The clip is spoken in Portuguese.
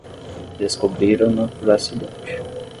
Descobriram-na por acidente.